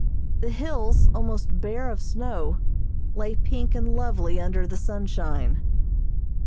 The hills, almost bare of snow, lay pink and lovely under the sunshine.